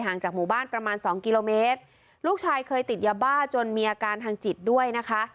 จากหมู่บ้านประมาณสองกิโลเมตรลูกชายเคยติดยาบ้าจนมีอาการทางจิตด้วยนะคะ